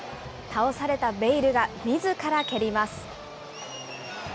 倒されたベイルが、みずから蹴ります。